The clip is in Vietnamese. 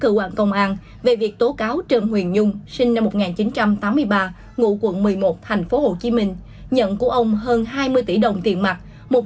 cơ quan công an về việc tố cáo trần huyền nhung sinh năm một nghìn chín trăm tám mươi ba ngụ quận một mươi một tp hcm nhận của ông hơn hai mươi tỷ đồng tiền mặt